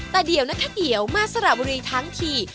แต่เดี๋ยวนะคะเดี๋ยวมาสระบุรีทั้งที